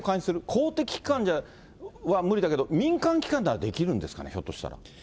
公的機関は無理だけど、民間機関ならできるんですかね、ひょっとしたら。